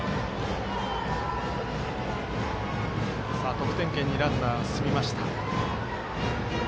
得点圏にランナー進みました。